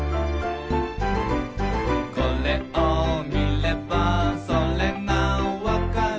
「これを見ればそれがわかる」